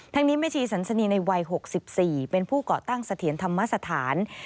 นี้แม่ชีสันสนีในวัย๖๔เป็นผู้ก่อตั้งเสถียรธรรมสถาน